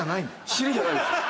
尻じゃないです。